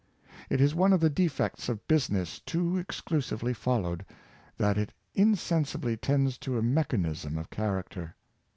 It is one of the de fects of business too exclusively followed, that it insen sibly tends to a mechanism of character.